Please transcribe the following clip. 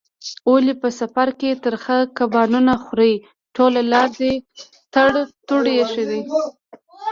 ولې په سفر کې ترخه کبابونه خورې؟ ټوله لار دې ټر ټور ایښی دی.